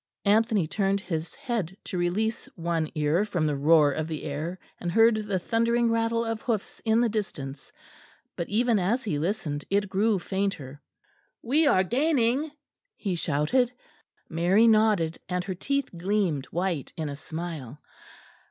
Anthony turned his head to release one ear from the roar of the air, and heard the thundering rattle of hoofs in the distance, but even as he listened it grew fainter. "We are gaining!" he shouted. Mary nodded, and her teeth gleamed white in a smile.